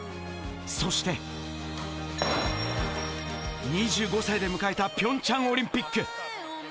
そして、２５歳で迎えたピョンチャンオリンピック。